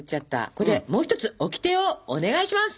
ここでもう一つオキテをお願いします！